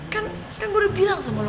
kan gue udah bilang sama lo